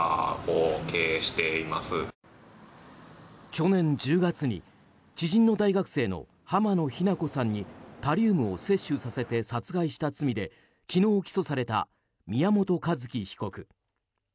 去年１０月に知人の大学生の浜野日菜子さんにタリウムを摂取させて殺害した罪で、昨日起訴された宮本一希被告。